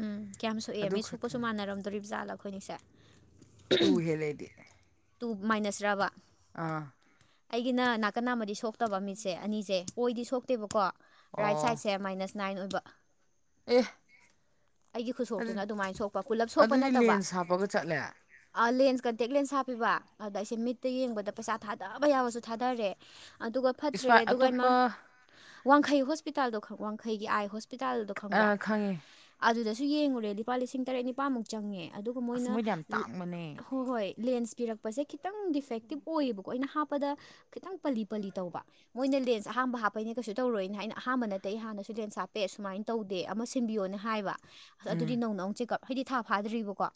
[SPEAKER 2] ꯎꯝ ꯀꯌꯥꯝ ꯁꯣꯛꯑꯦ
[SPEAKER 1] ꯑꯗꯨ
[SPEAKER 2] ꯃꯤ ꯁꯣꯛꯄꯁꯨ
[SPEAKER 1] ꯈꯛꯇꯅꯦ
[SPEAKER 2] ꯃꯥꯟꯅꯔꯝꯗꯣꯔꯤꯕ ꯖꯥꯠꯂ ꯑꯩꯈꯣꯏꯅꯤꯁꯦ
[SPEAKER 1] ꯇꯨ ꯍꯦꯂꯦꯗꯤ
[SPEAKER 2] ꯇꯨ ꯃꯥꯏꯅꯁ ꯇꯕ
[SPEAKER 1] ꯑꯥ
[SPEAKER 2] ꯑꯩꯒꯤꯅ ꯅꯥꯀꯟ ꯅꯥꯝꯃꯗꯤ ꯁꯣꯛꯇꯕ ꯃꯤꯠꯁꯦ ꯑꯅꯤꯁꯦ ꯑꯣꯏꯗꯤ ꯁꯣꯛꯇꯦꯕꯀꯣ ꯔꯥꯏꯠ
[SPEAKER 1] ꯑꯣ
[SPEAKER 2] ꯁꯥꯏꯠꯁꯦ ꯃꯥꯏꯅꯁ ꯅꯥꯏꯟ ꯑꯣꯏꯕ
[SPEAKER 1] ꯑꯦ
[SPEAKER 2] ꯑꯩꯒꯤ
[SPEAKER 1] ꯑꯗꯨ
[SPEAKER 2] ꯈꯨꯠꯁꯣꯛꯇꯨꯅ ꯑꯗꯨꯃꯥꯏꯅ ꯁꯣꯛꯄ ꯄꯨꯜꯂꯞ ꯁꯣꯛꯄ
[SPEAKER 1] ꯑꯗꯨꯗꯤ
[SPEAKER 2] ꯅꯠꯇꯕ
[SPEAKER 1] ꯂꯦꯟꯁ ꯍꯥꯞꯄꯒ ꯆꯠꯂꯦ
[SPEAKER 2] ꯂꯦꯟꯁ ꯀꯟꯇꯦꯛ ꯂꯦꯟꯁ ꯍꯥꯞꯄꯤꯕ ꯑꯗ ꯑꯩꯁꯦ ꯃꯤꯠꯇ ꯌꯦꯡꯕꯗ ꯄꯩꯁꯥ ꯊꯥ ꯇꯥꯕ ꯌꯥꯕꯁꯨ ꯊꯥꯗꯔꯦ ꯑꯗꯨꯒ ꯐꯠꯇ꯭ꯔꯦ
[SPEAKER 1] ꯏꯁꯄꯥꯏ
[SPEAKER 2] ꯑꯗꯨꯒ ꯏꯃꯥ
[SPEAKER 1] ꯑꯇꯣꯞꯄ
[SPEAKER 2] ꯋꯥꯡꯈꯩ ꯍꯣꯁꯄꯤꯇꯥꯜꯗꯣ ꯋꯥꯡꯈꯩꯒꯤ ꯑꯥꯏ ꯍꯣꯁꯄꯤꯇꯥꯜꯗꯣ ꯈꯪꯕ꯭ꯔꯥ
[SPEAKER 1] ꯑꯥ ꯈꯪꯉꯦ
[SPEAKER 2] ꯑꯗꯨꯗꯁꯨ ꯌꯦꯡꯂꯡꯨꯔꯦ ꯂꯨꯄꯥ ꯂꯤꯁꯤꯡ ꯇꯔꯦꯠ ꯅꯤ ꯂꯄꯥꯃꯨꯛ ꯆꯪꯉꯦ ꯑꯗꯨꯒ
[SPEAKER 1] ꯑꯁ
[SPEAKER 2] ꯃꯣꯏꯅ
[SPEAKER 1] ꯃꯣꯏꯗꯤ ꯌꯥꯝ ꯇꯥꯡꯕꯅꯦ
[SPEAKER 2] ꯍꯣꯏ ꯍꯣꯏ ꯂꯦꯟꯁ ꯄꯤꯔꯛ ꯍꯥꯞꯄꯁꯦ ꯈꯤꯇꯪ ꯗꯤꯐꯦꯛꯇꯤꯞ ꯑꯣꯏꯌꯦꯕꯀꯣ ꯑꯩꯅ ꯍꯥꯞꯄꯗ ꯈꯤꯇꯪ ꯄꯂꯤ ꯄꯂꯤ ꯇꯧꯕ ꯃꯣꯏꯅ ꯂꯦꯟꯁ ꯑꯍꯝꯕ ꯍꯥꯞꯄꯩꯅꯦ ꯀꯩꯁꯨ ꯇꯧꯔꯣꯏꯅ ꯍꯥꯏ ꯑꯍꯥꯟꯕ ꯅꯠꯇꯦ ꯍꯥꯟꯅꯁꯨ ꯂꯦꯟꯁ ꯍꯥꯞꯄꯦ ꯁꯨꯃꯥꯏꯅ ꯇꯧꯗꯦ ꯑꯃ ꯁꯤꯟꯕꯤꯌꯣꯅ ꯍꯥꯏꯕ ꯑꯁ ꯑꯗꯨꯗꯤ ꯅꯧꯅ ꯑꯃꯨꯛ ꯆꯦꯛꯑꯞ ꯍꯥꯏꯗꯤ ꯊꯥ ꯐꯥꯗ꯭ꯔꯤꯕꯀꯣ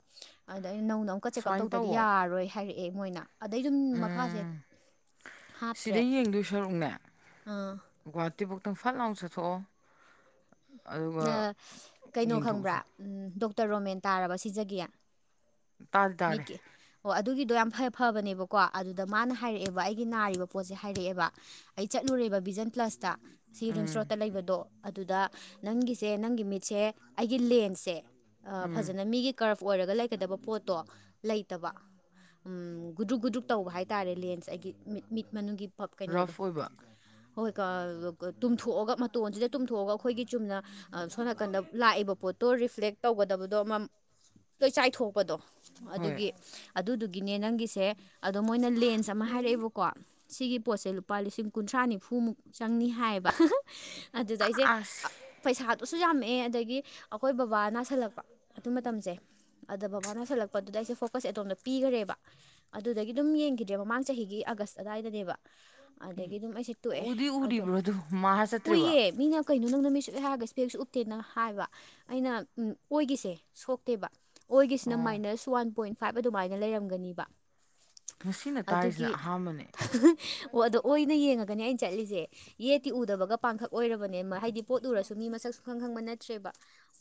[SPEAKER 2] ꯑꯗꯩꯅ ꯅꯧꯅ ꯑꯃꯨꯛꯀ ꯆꯦꯛꯀꯑꯞ
[SPEAKER 1] ꯁꯨꯃꯥꯏꯅ
[SPEAKER 2] ꯇꯧꯗꯗꯤ
[SPEAKER 1] ꯇꯧꯋꯣ
[SPEAKER 2] ꯌꯥꯔꯣꯏ ꯍꯥꯏꯔꯛꯑꯦ ꯃꯣꯏꯅ ꯑꯗꯩ ꯑꯗꯨꯝ ꯃꯈꯥꯁꯦ
[SPEAKER 1] ꯎꯝ
[SPEAKER 2] ꯍꯥꯞꯇ꯭ꯔꯦ
[SPEAKER 1] ꯁꯤꯗꯩ ꯌꯦꯡꯗꯣꯏ ꯁꯔꯨꯛꯅꯦ
[SPEAKER 2] ꯑꯥ
[SPEAKER 1] ꯨꯍꯥꯇꯤꯕꯨꯣꯛꯇꯪ ꯐꯜ ꯂꯥꯎꯗ ꯊꯣ
[SPEAKER 2] ꯅ ꯀꯩꯅꯣ
[SPEAKER 1] ꯌꯦꯡꯊꯣꯛꯎꯁꯦ
[SPEAKER 2] ꯈꯪꯕ꯭ꯔꯥ ꯗꯣꯛꯇꯔ ꯔꯣꯃꯦꯟ ꯇꯥꯔꯕ ꯁꯤꯖꯒꯦ
[SPEAKER 1] ꯇꯥꯗꯤ ꯇꯥꯔꯦ
[SPEAKER 2] ꯃꯤꯠꯀꯤ ꯑꯣ ꯑꯗꯨꯒꯤꯗꯣ ꯌꯥꯝ ꯐ ꯐꯕꯅꯦꯕꯀꯣ ꯑꯗꯨꯗ ꯃꯥꯅ ꯍꯥꯏꯔꯛꯑꯦꯕ ꯑꯩꯒꯤ ꯅꯥꯔꯤꯕ ꯄꯣꯠꯁꯦ ꯍꯥꯏꯔꯛꯑꯦꯕ ꯑꯩ ꯆꯠꯂꯨꯔꯦꯕ ꯚꯕꯤꯖꯟ ꯄ꯭ꯂꯁꯇ ꯁꯤ ꯔꯤꯝꯁ
[SPEAKER 1] ꯎꯝ
[SPEAKER 2] ꯔꯣꯗꯠꯇ ꯂꯩꯕꯗꯣ ꯑꯗꯨꯗ ꯅꯪꯒꯤꯁꯦ ꯅꯪꯒꯤ ꯃꯤꯠꯁꯦ ꯑꯩꯒꯤ ꯂꯦꯟꯁꯁꯦ
[SPEAKER 1] ꯎꯝ
[SPEAKER 2] ꯐꯖꯅ ꯃꯤꯒꯤ ꯀꯔꯞ ꯑꯣꯏꯔꯒ ꯂꯩꯒꯗꯕ ꯄꯣꯠꯇꯣ ꯂꯩꯇꯕ ꯒꯨꯗ꯭ꯔꯨꯛ ꯒꯗ꯭ꯔꯨꯛ ꯇꯧꯕ ꯍꯥꯏꯇꯥꯔꯦ ꯂꯦꯟꯁ ꯑꯩꯒꯤ ꯃꯤꯠ ꯃꯤꯠ ꯃꯅꯨꯡꯒꯤ ꯄꯞ ꯀꯩꯅꯣꯗꯣ
[SPEAKER 1] ꯔꯐ ꯑꯣꯏꯕ
[SPEAKER 2] ꯍꯣꯏ ꯇꯨꯝꯊꯣꯛꯑꯒ ꯃꯇꯣꯟꯁꯤꯗ ꯇꯨꯝꯊꯣꯛꯑꯒ ꯑꯩꯈꯣꯏꯒꯤ ꯆꯨꯝꯅ ꯁꯣꯝ ꯅꯥꯀꯟꯗ ꯂꯥꯛꯏꯕ ꯄꯣꯠꯇꯣ ꯔꯤꯐ꯭ꯂꯦꯛ ꯇꯧꯒꯗꯕꯗꯣ ꯑꯃ ꯂꯣꯏ ꯆꯥꯏꯊꯣꯛꯄꯗꯣ
[SPEAKER 1] ꯍꯣꯏ
[SPEAKER 2] ꯑꯗꯨꯒꯤ ꯑꯗꯨꯗꯨꯒꯤꯅꯦ ꯅꯪꯒꯤꯁꯦ ꯑꯗꯣ ꯃꯣꯏꯅ ꯂꯦꯟꯁ ꯑꯃ ꯍꯥꯏꯔꯛꯑꯦꯕꯀꯣ ꯁꯤꯒꯤ ꯄꯣꯠꯁꯦ ꯂꯨꯄꯥ ꯂꯤꯁꯤꯡ ꯀꯨꯟꯊ꯭ꯔꯥ ꯅꯤꯐꯨꯃꯨꯛ ꯆꯪꯅꯤ ꯍꯥꯏꯌꯦꯕ ꯑꯗꯨꯗ ꯑꯩꯁꯦ
[SPEAKER 1] ꯑꯁ
[SPEAKER 2] ꯄꯩꯁꯥꯗꯨꯁꯨ ꯌꯥꯝꯃꯛꯑꯦ ꯑꯗꯒꯤ ꯑꯩꯈꯣꯏ ꯕꯕꯥ ꯅꯥꯁꯜꯂꯛꯄ ꯑꯗꯨ ꯃꯇꯝꯁꯦ ꯑꯗ ꯕꯕꯥꯅ ꯁꯜꯂꯛꯄꯗꯨꯗ ꯑꯩꯁꯦ ꯐꯣꯀꯁ ꯑꯗꯣꯝꯗ ꯄꯤꯈꯔꯦꯕ ꯑꯗꯨꯗꯒꯤ ꯑꯗꯨꯝ ꯌꯦꯡꯈꯤꯗ꯭ꯔꯦ ꯃꯃꯥꯡ ꯆꯍꯤꯒꯤ ꯑꯥꯒꯁ ꯑꯗꯨꯋꯥꯏꯗꯅꯦꯕ ꯑꯗꯒꯤ ꯑꯗꯨꯝ ꯑꯩꯁꯦ ꯇꯣꯛꯑꯦ
[SPEAKER 1] ꯎꯗꯤ
[SPEAKER 2] ꯑꯗ
[SPEAKER 1] ꯎꯔꯤꯕ꯭ꯔꯣ ꯑꯗꯨ ꯃꯥꯍꯥ ꯆꯠꯇ꯭ꯔꯤꯕꯣ
[SPEAKER 2] ꯀꯨꯏꯌꯦ ꯃꯤꯅ ꯀꯩꯅꯣ ꯅꯪꯅ ꯃꯤꯁꯨ ꯑꯩꯍꯔꯒ ꯏꯁꯄꯦꯛꯁꯨ ꯎꯠꯇꯦꯅ ꯍꯥꯏꯕ ꯑꯩꯅ ꯎ ꯑꯣꯏꯒꯤꯁꯦ ꯁꯣꯛꯇꯦꯕ ꯑꯣꯏꯒꯤꯁꯤꯅ
[SPEAKER 1] ꯑꯣ
[SPEAKER 2] ꯃꯥꯏꯅꯁ ꯋꯥꯟ ꯄꯣꯏꯟ ꯐꯥꯏꯚ ꯑꯗꯨꯃꯥꯏꯅ ꯂꯩꯔꯝꯒꯅꯤꯕ
[SPEAKER 1] ꯉꯁꯤꯅ ꯇꯥꯔꯤꯁꯤꯅ
[SPEAKER 2] ꯑꯗꯨꯒꯤ
[SPEAKER 1] ꯑꯍꯥꯟꯕꯅꯦ
[SPEAKER 2] ꯑꯣ ꯑꯗꯣ ꯑꯣꯏꯅ ꯌꯦꯡꯉꯒꯅꯦ ꯑꯩꯅ ꯆꯠꯂꯤꯁꯦ ꯌꯦꯠꯇꯤ ꯎꯗꯕꯒ ꯄꯥꯡꯈꯛ ꯑꯣꯏꯔꯕꯅꯦ ꯍꯥꯏꯗꯤ ꯄꯣꯠ ꯎꯔꯁꯨ ꯃꯤ ꯃꯁꯛ ꯁ ꯈꯪ ꯈꯪꯕ ꯅꯠꯇ꯭ꯔꯦꯕ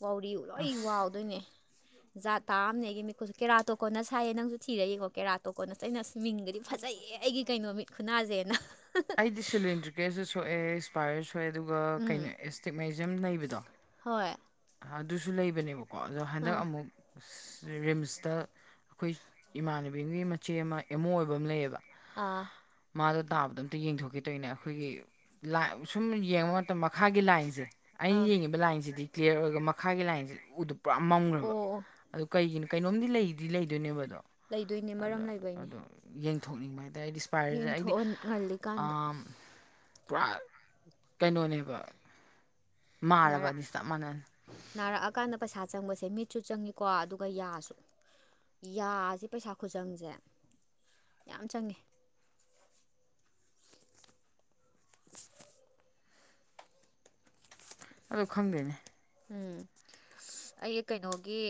[SPEAKER 2] ꯋꯥꯎꯔꯤ ꯂꯣꯏ
[SPEAKER 1] ꯑꯁ
[SPEAKER 2] ꯋꯥꯎꯗꯣꯏꯅꯦ
[SPEAKER 1] [inaudible]
[SPEAKER 2] ꯖꯥꯠ ꯇꯥꯑꯝꯃꯦ ꯑꯩꯒꯤ ꯃꯤꯀꯨꯠꯁꯨ ꯀꯦꯔꯥ ꯇꯣꯀꯣꯟꯅ ꯁꯥꯏꯌꯦ ꯅꯪꯁꯨ ꯊꯤꯔ ꯌꯦꯡꯉꯣ ꯀꯦꯔꯥ ꯇꯣꯀꯣꯟꯅꯁ ꯑꯩꯅ ꯃꯤꯡꯒꯗꯤ ꯐꯖꯩꯌꯦ ꯑꯩꯒꯤ ꯀꯩꯅꯣ ꯃꯤ ꯈꯨꯅꯥꯁꯦꯅ
[SPEAKER 1] ꯑꯩꯗꯤ ꯁꯤꯂꯤꯟꯗ꯭ꯔꯤꯀꯦꯜꯁꯨ ꯁꯣꯛꯑꯦ ꯑꯦꯁꯄꯥꯏꯌꯔ ꯁꯣꯛꯑꯦ ꯑꯗꯨꯒ
[SPEAKER 2] ꯎꯝ
[SPEAKER 1] ꯀꯩꯅꯣ ꯑꯦꯁꯇꯤꯛꯃꯥꯏꯖꯌꯝ ꯂꯩꯕꯗꯣ
[SPEAKER 2] ꯍꯣꯏ
[SPEAKER 1] ꯑꯗꯨꯁꯨ ꯂꯩꯕꯅꯦꯕꯀꯣ ꯑꯗꯣ ꯍꯟꯗꯛ
[SPEAKER 2] ꯑꯥ
[SPEAKER 1] ꯑꯃꯨꯛ ꯔꯤꯝꯁꯇ ꯑꯩꯈꯣꯏ ꯏꯃꯥꯟꯅꯕꯤꯒꯤ ꯃꯆꯦ ꯑꯃ ꯑꯦꯝ ꯑꯣ ꯑꯣꯏꯕ ꯑꯃ ꯂꯩꯌꯦꯕ
[SPEAKER 2] ꯑꯥ
[SPEAKER 1] ꯃꯥꯗꯣ ꯇꯥꯕꯗꯣ ꯑꯝꯇ ꯌꯦꯡꯊꯣꯛꯈꯤꯗꯣꯏꯅꯦ ꯑꯩꯈꯣꯏꯒꯤ ꯁꯨꯝ ꯌꯦꯡꯕ ꯃꯇꯝ ꯃꯈꯥꯒꯤ ꯂꯥꯏꯟꯁꯦ ꯑꯩꯅ
[SPEAKER 2] ꯑꯥ
[SPEAKER 1] ꯌꯦꯡꯉꯤꯕ ꯂꯥꯏꯟꯁꯤꯗꯤ ꯀ꯭ꯂꯤꯌꯥꯔ ꯑꯣꯏꯔꯒ ꯃꯈꯥꯒꯤ ꯂꯥꯏꯟꯁꯤ ꯎꯗꯨ ꯄꯨꯔꯥ
[SPEAKER 2] ꯑꯣ
[SPEAKER 1] ꯃꯝꯈ꯭ꯔꯕ
[SPEAKER 2] ꯑꯣ
[SPEAKER 1] ꯑꯗꯨ ꯀꯩꯒꯤꯅꯣ ꯀꯩꯅꯣꯝꯗꯤ ꯂꯩꯗꯤ ꯂꯩꯗꯣꯏꯅꯦꯕꯗꯣ
[SPEAKER 2] ꯂꯩꯗꯣꯏꯅꯦ
[SPEAKER 1] ꯑꯗ
[SPEAKER 2] ꯃꯔꯝ ꯂꯩꯕꯩꯅꯦ
[SPEAKER 1] ꯑꯗꯣ ꯌꯦꯡꯊꯣꯛꯅꯤꯡꯕ ꯍꯥꯏꯇꯥꯔꯗꯤ ꯄꯥꯏꯔꯤꯁꯦ ꯑꯩꯗꯤ
[SPEAKER 2] ꯌꯦꯡꯊꯣꯛꯍ ꯉꯜꯂꯤꯀꯥꯟꯗ
[SPEAKER 1] ꯄꯨꯔꯥ ꯀꯩꯅꯣꯅꯦꯕ
[SPEAKER 2] ꯅꯥꯔꯛ
[SPEAKER 1] ꯃꯥꯔꯕꯗꯤ ꯆꯞ ꯃꯥꯟꯅꯅꯤ
[SPEAKER 2] ꯅꯥꯔꯛꯑꯀꯥꯟꯗ ꯄꯩꯁꯥ ꯆꯪꯕꯁꯦ ꯃꯤꯠꯁꯨ ꯆꯪꯉꯀꯣ ꯑꯗꯨꯒ ꯌꯥꯁꯨ ꯌꯥꯁꯦ ꯄꯩꯁꯥ ꯈꯨꯆꯪꯁꯦ ꯌꯥꯝ ꯆꯪꯉꯦ
[SPEAKER 1] ꯑꯣ ꯈꯪꯗꯣꯏꯅꯦ
[SPEAKER 2] ꯎꯝ ꯑꯩ ꯀꯩꯅꯣꯒꯤ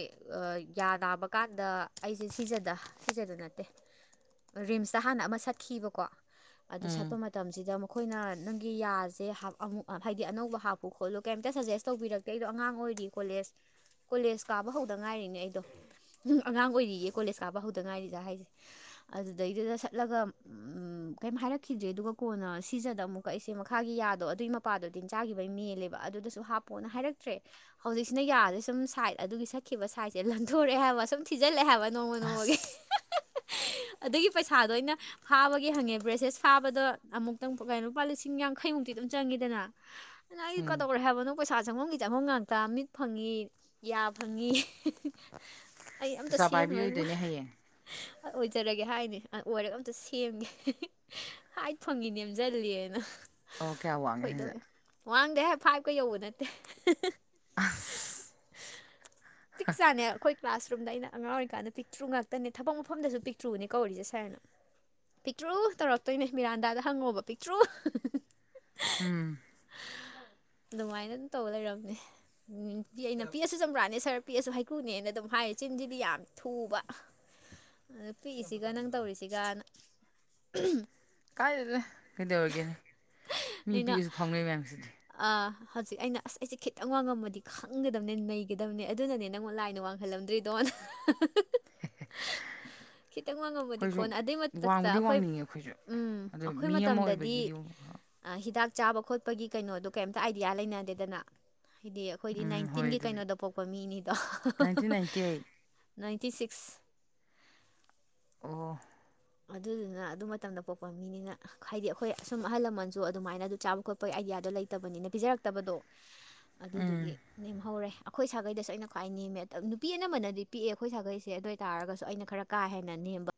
[SPEAKER 2] ꯌꯥ ꯅꯥꯕ ꯀꯥꯟꯗ ꯑꯩꯁꯦ ꯁꯤꯖꯗ ꯁꯤꯁꯦ ꯑꯗꯨ ꯅꯠꯇꯦ ꯔꯤꯝꯁꯇ ꯍꯥꯟꯅ ꯑꯃ ꯁꯠꯈꯤꯕꯀꯣ ꯑꯗꯨ
[SPEAKER 1] ꯎꯝ
[SPEAKER 2] ꯁꯠꯄ ꯃꯇꯝꯁꯤꯗ ꯃꯈꯣꯏꯅ ꯅꯪꯒꯤ ꯌꯥꯁꯦ ꯑꯃꯨꯛ ꯍꯥꯏꯗꯤ ꯑꯅꯧꯕ ꯍꯥꯞꯄꯨ ꯈꯣꯠꯂꯨ ꯀꯩꯝꯇ ꯁꯖꯦꯁ ꯇꯧꯕꯤꯔꯛꯇ ꯀꯩꯗꯣ ꯑꯉꯥꯡ ꯑꯣꯏꯔꯤ ꯀꯣꯂꯦꯖ ꯀꯣꯂꯦꯖ ꯀꯥꯕ ꯍꯧꯗ ꯉꯥꯏꯔꯤꯅꯦ ꯑꯩꯗꯣ ꯑꯗꯨꯝ ꯑꯉꯥꯡ ꯑꯣꯏꯔꯤꯌꯦ ꯀꯣꯂꯦꯖ ꯀꯥꯕ ꯍꯧꯗ ꯉꯥꯏꯔꯤꯖꯥ ꯍꯥꯏꯁꯦ ꯑꯗꯨꯗꯩꯗꯨꯗ ꯆꯠꯂꯒ ꯀꯩꯝ ꯍꯥꯏꯔꯛꯈꯤꯗ꯭ꯔꯦ ꯑꯗꯨꯒ ꯀꯣꯟꯅ ꯁꯤꯖꯗ ꯑꯃꯨꯛꯀ ꯑꯩꯁꯦ ꯃꯈꯥꯒꯤ ꯌꯥꯗꯣ ꯑꯗꯨꯏ ꯅꯨꯄꯥꯗꯣ ꯇꯤꯟꯖꯥꯈꯤꯕꯒꯤ ꯃꯦꯜꯂꯦꯕ ꯑꯗꯨꯗꯁꯨ ꯍꯥꯞꯄꯣꯅ ꯍꯥꯏꯔꯛ ꯆꯠꯇ꯭ꯔꯦ ꯍꯧꯖꯤꯛꯁꯤꯅ ꯌꯥꯔꯗꯤ ꯁꯨꯝ ꯁꯥꯏꯠ ꯑꯗꯨꯒꯤ ꯁꯛꯈꯤꯕ ꯁꯥꯏꯠꯁꯦ ꯂꯟꯊꯣꯔꯛꯑꯦ ꯍꯥꯏꯕ ꯁꯨꯝ ꯊꯤꯖꯤꯜꯂꯛꯑꯦ ꯍꯥꯏꯕ ꯅꯣꯡꯃ ꯅꯣꯡꯃꯒꯤ
[SPEAKER 1] ꯑꯁ
[SPEAKER 2] ꯑꯗꯨꯒꯤ ꯄꯩꯁꯥꯗꯣ ꯑꯩꯅ ꯐꯥꯕꯒꯤ ꯍꯪꯉꯦ ꯕ꯭ꯔꯦꯁꯂꯦꯠꯁ ꯐꯥꯗꯣ ꯑꯃꯨꯛꯇꯪ ꯂꯨꯄꯥ ꯂꯤꯁꯤꯡ ꯌꯥꯡꯈꯩꯃꯨꯛꯇꯤ ꯑꯗꯨꯝ ꯆꯪꯉꯤꯗꯅ
[SPEAKER 1] ꯎꯝ
[SPEAKER 2] ꯑꯗꯨꯩꯅ ꯑꯩꯗꯤ ꯀꯩꯗꯧꯔꯦ ꯍꯥꯏꯕꯅꯣ ꯄꯩꯁꯥ ꯆꯪꯉꯝꯒꯤ ꯆꯪꯉꯝ ꯉꯥꯛꯇ ꯃꯤꯠ ꯐꯪꯉꯤ ꯌꯥꯒꯌꯥ ꯐꯪꯉꯤ ꯑꯩ ꯑꯝꯇ
[SPEAKER 1] ꯆꯥꯛꯆꯥ ꯄꯥꯏꯕꯤ
[SPEAKER 2] ꯁꯦꯝꯃꯣꯏꯕ
[SPEAKER 1] ꯑꯣꯏꯗꯣꯏꯅꯦ ꯍꯌꯦꯡ
[SPEAKER 2] ꯑ ꯑꯣꯏꯖꯔꯒꯦ ꯍꯥꯏꯅꯤ ꯑꯣꯏꯔꯒ ꯑꯝꯇ ꯁꯦꯝꯒꯦ ꯍꯥꯏ ꯐꯪꯉꯤ ꯅꯦꯝꯁꯤꯜꯂꯤꯦꯅ
[SPEAKER 1] ꯑꯣ ꯀꯌꯥ ꯋꯥꯡꯒꯦ ꯍꯥꯏꯁꯦ
[SPEAKER 2] ꯀꯣꯏꯗꯧꯋꯦ ꯋꯥꯥꯡꯗꯦ ꯐꯥꯏꯚꯀꯩ ꯌꯧꯕ ꯅꯠꯇꯦ
[SPEAKER 1] ꯑ
[SPEAKER 2] ꯄꯤꯛ ꯆꯥꯅꯦ ꯑꯩꯈꯣꯏ ꯀ꯭ꯂꯥꯁꯔꯨꯝꯗꯩꯅ ꯑꯉꯥꯡ ꯑꯣꯏꯔꯤꯀꯥꯟꯗ ꯄꯤꯛꯇ꯭ꯔꯨ ꯉꯥꯛꯇꯅꯦ ꯊꯕꯛ ꯃꯐꯝꯗꯁꯨ ꯄꯤꯛꯇ꯭ꯔꯨꯅꯦ ꯀꯧꯔꯤꯁꯦ ꯁꯥꯔꯅ ꯄꯤꯛꯇ꯭ꯔꯨ ꯇꯧꯔꯛꯇꯣꯏꯅꯦ ꯃꯤꯔꯥꯟꯗꯥꯗ ꯍꯪꯉꯣꯕ ꯄꯤꯛꯇ꯭ꯔꯨ
[SPEAKER 1] ꯎꯝ
[SPEAKER 2] ꯑꯗꯨꯃꯥꯏꯅ ꯑꯗꯨꯝ ꯇꯧꯕ ꯂꯩꯔꯝꯅꯦ ꯎꯝ ꯑꯩꯅ ꯄꯤꯛꯑꯁꯨ ꯆꯝꯄ꯭ꯔꯥꯅꯦ ꯁꯥꯔ ꯄꯦꯛꯑꯁꯨ aꯍꯩꯀ꯭ꯔꯨꯅꯦꯅ ꯑꯗꯨꯝ ꯍꯥꯏꯔꯦ ꯆꯤꯟꯁꯤꯗꯤ ꯌꯥꯝꯃꯦ ꯊꯨꯕ ꯑ ꯄꯤꯛꯏꯁꯤꯒ ꯅꯪ ꯇꯧꯔꯤꯁꯤꯒꯅ
[SPEAKER 1] ꯀꯥꯏꯗꯅ ꯀꯩꯗꯧꯔꯒꯦꯅꯦ ꯃꯤ ꯄꯤꯛꯑꯁꯨ ꯐꯥꯎꯅꯩ ꯃꯌꯥꯝꯁꯤꯗꯤ
[SPEAKER 2] ꯑ ꯍꯧꯖꯤꯛ ꯑꯩꯅ ꯑꯁ ꯑꯩꯁꯦ ꯈꯤꯇꯪ ꯋꯥꯡꯉꯝꯃꯗꯤ ꯈꯪꯒꯗꯕꯅꯦ ꯅꯩꯒꯗꯕꯅꯦ ꯑꯗꯨꯅꯅꯦ ꯅꯪꯉꯣꯟ ꯂꯥꯏꯅ ꯋꯥꯡꯈꯜꯂꯝꯗ꯭ꯔꯤꯗꯣ [unintelligible]
[SPEAKER 1] ꯍ
[SPEAKER 2] ꯈꯤꯇꯪ ꯃꯥꯡꯉꯕꯗꯤꯀꯣꯟ ꯑꯗꯨꯏ ꯃꯊꯛꯇ ꯑꯩꯈꯣꯏ
[SPEAKER 1] ꯋꯥꯡꯅꯤꯡꯉꯦ ꯑꯩꯈꯣꯏꯁꯨ
[SPEAKER 2] ꯎꯝ
[SPEAKER 1] ꯑꯗꯣ
[SPEAKER 2] ꯑꯩꯈꯣꯏ
[SPEAKER 1] ꯃꯤ ꯑꯃ
[SPEAKER 2] ꯃꯇꯝꯗꯗꯤ
[SPEAKER 1] ꯑꯣꯏꯕꯒꯤꯗꯤ
[SPEAKER 2] ꯍꯤꯗꯥꯛ ꯆꯥꯕ ꯈꯣꯠꯄꯒꯤ ꯀꯩꯅꯣꯗꯣ ꯀꯩꯝꯇ ꯑꯥꯏꯗꯤꯌꯥ ꯂꯩꯅꯗꯦꯗꯅ ꯍꯥꯏꯗꯤ ꯑꯩꯈꯣꯏꯗꯤ
[SPEAKER 1] ꯎꯝ ꯍꯣꯏ
[SPEAKER 2] ꯅꯥꯏꯟꯇꯤꯟꯒꯤ
[SPEAKER 1] ꯑꯗꯨꯕꯨꯗꯤ
[SPEAKER 2] ꯀꯩꯅꯣꯗ ꯄꯣꯛꯄ ꯃꯤꯅꯤꯗꯣ
[SPEAKER 1] nineteen ninety eight
[SPEAKER 2] ninety six
[SPEAKER 1] ꯑꯣ
[SPEAKER 2] ꯑꯗꯨꯗꯨꯅ ꯑꯗꯨ ꯃꯇꯝꯗ ꯄꯣꯛꯄ ꯃꯤꯅꯤꯅ ꯍꯥꯏꯗꯤ ꯑꯩꯈꯣꯏ ꯑꯁꯨꯝ ꯑꯍꯜ ꯂꯃꯟꯁꯨ ꯑꯗꯨꯃꯥꯏꯅ ꯑꯗꯨ ꯆꯥꯕ ꯈꯣꯠꯄꯒꯤ ꯑꯥꯏꯗꯤꯌꯥꯗꯣ ꯂꯩꯇꯕꯅꯤꯅ ꯄꯤꯖꯔꯛꯇꯕꯗꯣ
[SPEAKER 1] [unintelligible]
[SPEAKER 2] ꯑꯗꯨꯗꯨꯒꯤ ꯅꯦꯝꯍꯧꯔꯦ ꯑꯩꯈꯣꯏ ꯁꯥꯒꯩꯗꯁꯨ ꯑꯩꯅ ꯈ꯭ꯋꯥꯏ ꯅꯦꯝꯃꯦ ꯅꯨꯄꯤ ꯑꯅꯝꯕꯅꯗꯤ ꯄꯤꯛꯦ ꯑꯩꯈꯣꯏ ꯁꯥꯒꯩꯁꯦ ꯑꯗꯨ ꯑꯣꯏ ꯇꯥꯔꯒꯁꯨ ꯑꯩꯅ ꯈꯔ ꯀꯥ ꯍꯦꯟꯅ ꯅꯦꯝꯕ